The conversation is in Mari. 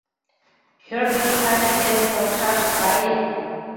Ӧрдыж каче ден келшаш сае -